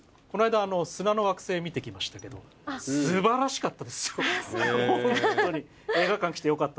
こないだ『砂の惑星』観てきましたけどすばらしかったですよ。